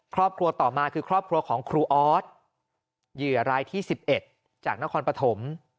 ครอบครัวต่อมาคือครอบครัวของครูออสเหยื่อรายที่๑๑จากนครปฐม